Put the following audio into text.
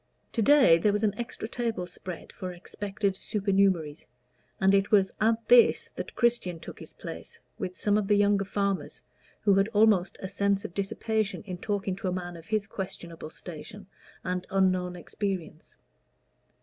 To day there was an extra table spread for expected supernumeraries, and it was at this that Christian took his place with some of the younger farmers, who had almost a sense of dissipation in talking to a man of his questionable station and unknown experience.